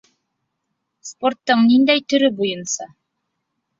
Спорттың ниндәй төрө буйынса?